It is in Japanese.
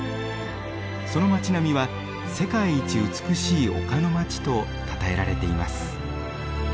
その町並みは世界一美しい丘の街とたたえられています。